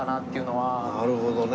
なるほどね。